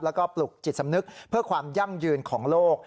แล้วก็ปลุกจิตสำนึกเพื่อความยั่งยืนของโลก